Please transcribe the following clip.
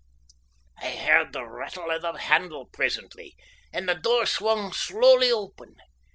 I heard the rattle o' the handle presently, and the door swung slowly open.